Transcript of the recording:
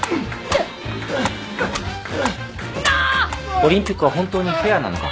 オリンピックは本当にフェアなのか。